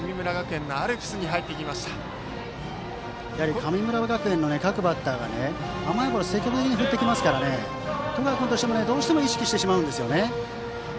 神村学園の各バッターが甘いボールを積極的に振ってきますから十川君としてもどうしても意識してしまうんです。